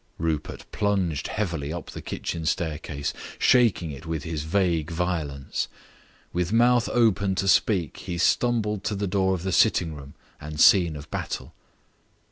Rupert plunged heavily up the kitchen staircase, shaking it with his vague violence. With mouth open to speak he stumbled to the door of the sitting room and scene of battle.